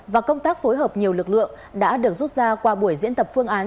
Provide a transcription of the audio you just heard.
và công tác phối hợp nhiều lực lượng đã được rút ra qua buổi diễn tập phương án